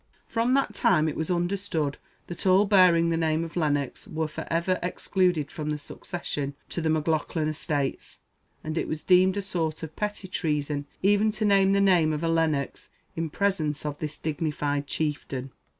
From that time it was understood that all bearing the name of Lennox were for ever excluded from the succession to the Maclaughlan estates; and it was deemed a sort of petty treason even to name the name of a Lennox in presence of this dignified chieftain.